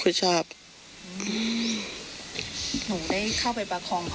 หนูได้เข้าไปประคองพ่อไหมหรือพูดอะไรกับพ่อพ่อ